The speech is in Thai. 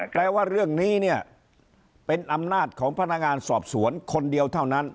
แปลว่าเรื่องนี้เนี่ยเป็นอำนาจของพนักงานสอบสวนคนเดียวเท่านั้น